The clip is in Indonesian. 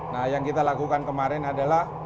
nah yang kita lakukan kemarin adalah